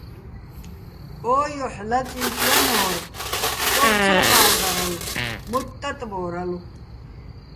ო ჲოჰ̦ ლაწი́შ ჲანო́რ, ხკორ ცო ღა́ლდარალო̆, მოთთ ტატბო́რალო̆.